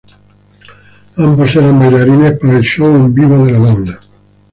Ambos eran bailarines para el show en vivo de la banda.